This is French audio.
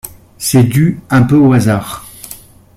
C'est dû un peu au hasard.